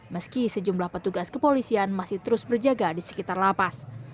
meski sejumlah petugas kepolisian masih terus berjaga di sekitar lapas